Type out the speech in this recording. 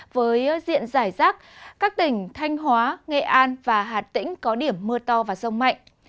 với diện giải rác các tỉnh thanh hóa nghệ an và hà tĩnh có điểm mưa to và rông mạnh